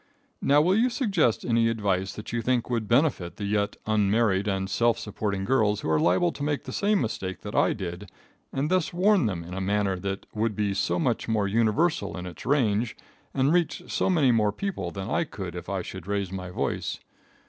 Now, will you suggest any advice that you think would benefit the yet unmarried and self supporting girls who are liable to make the same mistake that I did, and thus warn them in a manner that would be so much more universal in its range, and reach so many more people than I could if I should raise my voice?